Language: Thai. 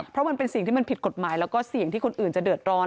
เพราะมันเป็นสิ่งที่มันผิดกฎหมายแล้วก็เสี่ยงที่คนอื่นจะเดือดร้อน